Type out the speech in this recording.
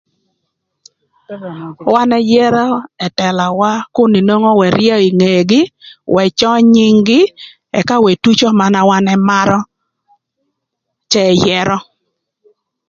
Wan ëyërö ëtëlawa kun nwongo ëryëo ï ngegï, w'ëcöö nyïng-gï, ëka w'etuco mana wan ëmarö cë ëyërö.